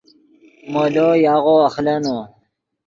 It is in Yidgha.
مولو یاغو اخلینو